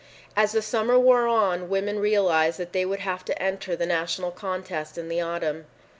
As the summer wore on, women realized that they would have to enter the national contest in the autumn.